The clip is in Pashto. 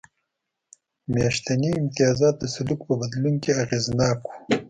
میاشتني امتیازات د سلوک په بدلون کې اغېزناک و